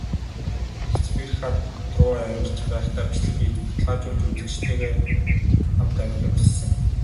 Эгц бэрх хад руу авирч байхдаа бичлэг хийж, баталгаажуулж, үзэгчидтэйгээ хамт авирахыг хүссэн.